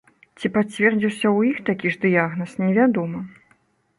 Ці пацвердзіўся ў іх такі ж дыягназ, невядома.